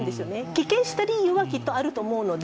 棄権した理由はきっとあると思うので。